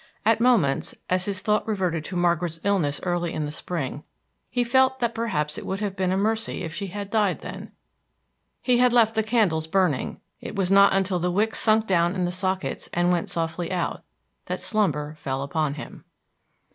At moments, as his thought reverted to Margaret's illness early in the spring, he felt that perhaps it would have been a mercy if she had died then. He had left the candles burning; it was not until the wicks sunk down in the sockets and went softly out that slumber fell upon him.